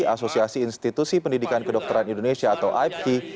asosiasi institusi pendidikan kedokteran indonesia atau aipki